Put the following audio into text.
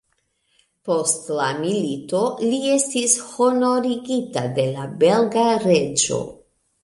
Post la milito li estis honorigita de la belga reĝo.